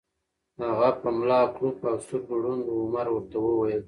هغه په ملا کړوپ او سترګو ړوند و، عمر ورته وویل: